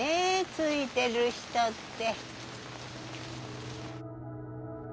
ついてる人って。